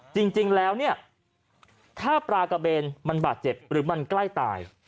จริงแล้วเนี่ยถ้าปลากระเบนมันบาดเจ็บหรือมันใกล้ตาย